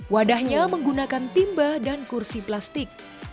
wadahnya menggunakan timba dan kursi plastik